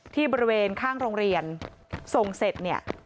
บริเวณข้างโรงเรียนส่งเสร็จเนี่ย